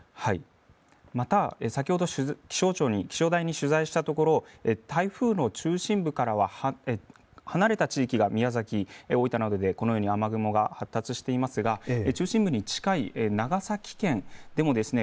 また、先ほど気象台に取材したところ台風の中心部からは離れた地域、宮崎、大分などでこのように雨雲が発達していますが中心部に近い長崎県でもですね